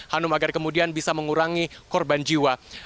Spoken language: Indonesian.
hanum agar kemudian bisa mengurangi korban jiwa